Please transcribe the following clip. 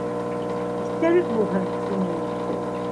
— Иҫтәлек булһын, — тине ул.